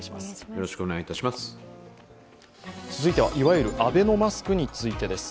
続いては、いわゆるアベノマスクについてです。